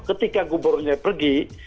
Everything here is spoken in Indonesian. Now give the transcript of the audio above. ketika gubernurnya pergi